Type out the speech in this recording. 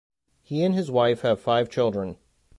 He and his wife have five children.